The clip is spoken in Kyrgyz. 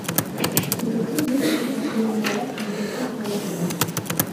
Кыймылсыз мүлк менен автоунаалар конкреттүү саналып жатат.